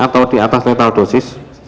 jauh di atas letal dosis